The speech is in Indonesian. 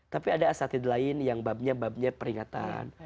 tapi ada asatid lain yang babnya babnya peringatan